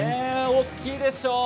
大きいでしょう？